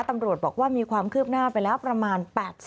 ตำรวจบอกว่ามีความคืบหน้าไปแล้วประมาณ๘๐